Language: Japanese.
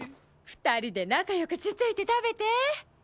２人で仲良くつついて食べて。